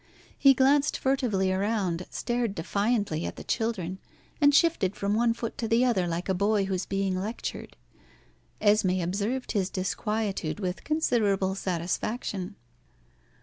He glanced furtively around, stared defiantly at the children, and shifted from one foot to the other like a boy who is being lectured. Esmé observed his disquietude with considerable satisfaction.